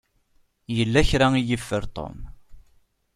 Yella kra i yeffer Tom.